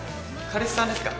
彼氏さんですか？